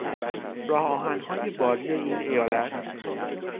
راه آهنهای باری این ایالت